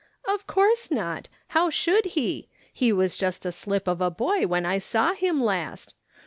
" Of course not ! How should he ? He was just a slip of a boy when I saw him last.